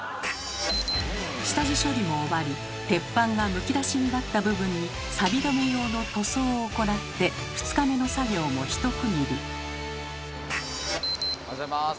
下地処理も終わり鉄板がむき出しになった部分にサビ止め用の塗装を行って２日目の作業もひと区切り。おはようございます。